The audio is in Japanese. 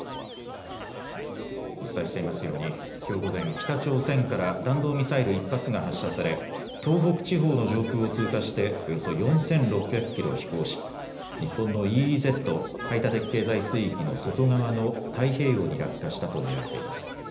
お伝えしていますようにきょう午前、北朝鮮から弾道ミサイル１発が発射され東北地方の上空通過しておよそ４６００キロ飛行し日本のＥＥＺ・排他的経済水域の外側の太平洋に落下したと見られています。